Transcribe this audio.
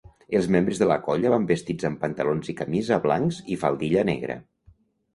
Els membres de la colla van vestits amb pantalons i camisa blancs i faldilla negra.